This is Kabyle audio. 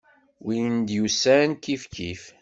Win d-yusan, kifkif.